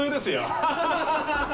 ハハハ！